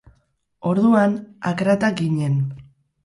Orduan, akratak ginen.